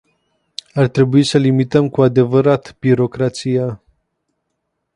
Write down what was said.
Ar trebui să limităm cu adevărat birocrația.